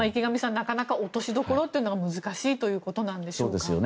なかなか落としどころが難しいということなんでしょうか。